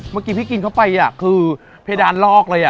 เมื่อกี้พี่กินเข้าไปคือเพดานลอกเลย